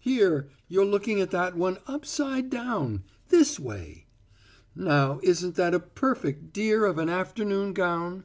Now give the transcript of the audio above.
Here you're looking at that one upside down! This way! Now isn't that a perfect dear of an afternoon gown?